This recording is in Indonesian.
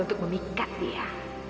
untuk memikat dia